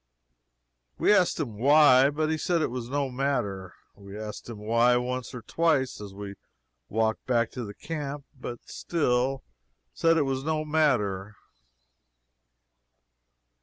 We asked him why, but he said it was no matter. We asked him why, once or twice, as we walked back to the camp but he still said it was no matter.